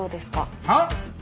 はっ？